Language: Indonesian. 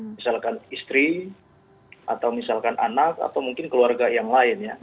misalkan istri atau misalkan anak atau mungkin keluarga yang lain ya